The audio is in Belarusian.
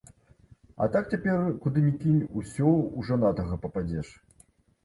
А так, цяпер куды ні кінь, усё ў жанатага пападзеш.